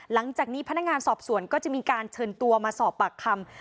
หลังจากนี้พนักงานสอบสวนก็จะมีการเชิญตัวมาสอบปากคำ